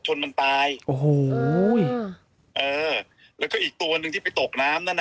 ชนมันตายโอ้โหเออแล้วก็อีกตัวหนึ่งที่ไปตกน้ำนั่นน่ะ